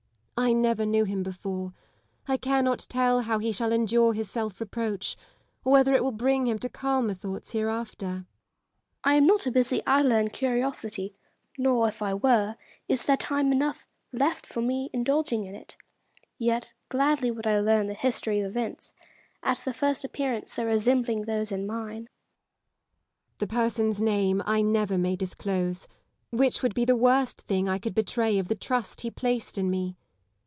I never knew him before ; I cannot tell how he shall endure his self reproach, or whether it will bring him to calmer thoughts hereafter. Lady Lisle. I am not a busy idler in curiosity ; nor, if I were, is there time enough left me for indulging in it ; yet gladly would I learn the histoi y of events, at the first appearance so resembling those in mine. Elizabeth Gaunt. The person's name I never may dis close ; which would be the worst thing I could betray of the trust he placed in me.